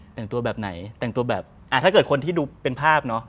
แต่งตัวแบบไหนแต่งตัวแบบอ่าถ้าเกิดคนที่ดูเป็นภาพเนอะ